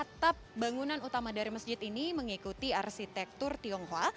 atap bangunan utama dari masjid ini mengikuti arsitektur tionghoa